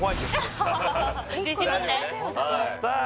自信持ってさあ